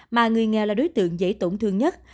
mà người nghèo là đối tượng dễ tổn thương nhất